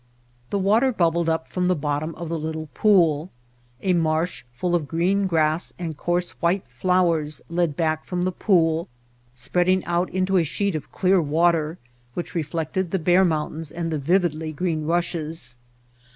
The water bubbled up from the bottom of the little pool. A marsh full of green grass and coarse, white flowers led back from the pool, spreading out into a sheet of clear water which reflected the bare mountains and the vividly green rushes.